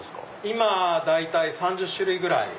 今大体３０種類ぐらい。